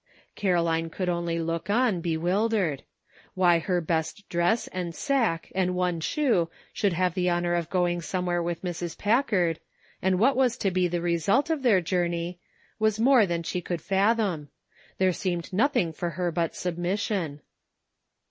Caroline could only look on, bewildered. Why her best dress and sack and one shoe should have the honor of going somewhere with Mrs. Packard, and what was to be the result of their journey, was more than she could fathom; there seemed nothing for her but submission.